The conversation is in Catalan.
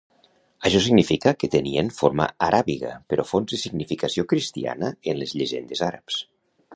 Això significa que tenien forma aràbiga però fons i significació cristiana en les llegendes àrabs.